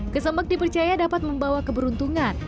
kesembek dipercaya dapat membawa keberuntungan